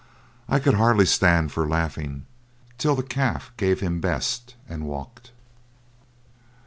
I could hardly stand for laughing, till the calf gave him best and walked.